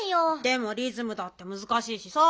でもリズムだってむずかしいしさ。